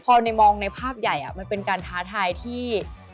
พอในมองในภาพใหญ่มันเป็นการท้าทายที่